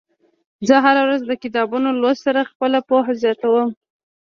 زه هره ورځ د کتابونو لوستلو سره خپله پوهه زياتوم.